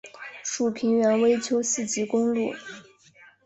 属平原微丘四级公路。